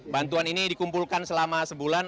bantuan ini dikumpulkan selama sebulan